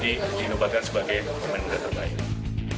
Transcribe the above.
diindubakan sebagai pemain terbaik